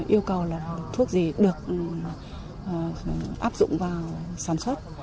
yêu cầu là thuốc gì được áp dụng vào sản xuất